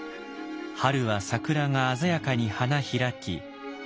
春は桜が鮮やかに花開き